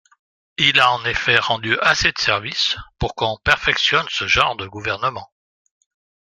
Il a en effet rendu assez de services pour qu'on perfectionne ce genre de gouvernement.